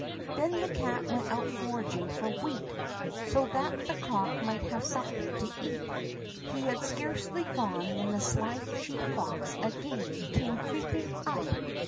Then the cat went out foraging for wheat, so that the cock might have something to eat. He had scarcely gone when the sly she fox again came creeping up.